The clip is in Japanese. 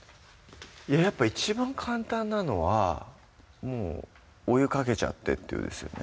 いややっぱ一番簡単なのはもうお湯かけちゃってっていうのですよね